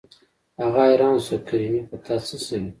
هغه حيران شو کریمې په تا څه شوي.